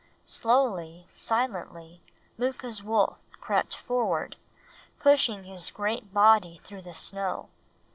Slowly, silently Mooka's wolf crept forward, pushing his great body through the snow.